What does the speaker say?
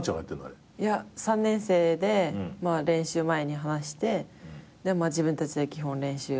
いや３年生で練習前に話して自分たちで基本練習進めてくっていう感じ。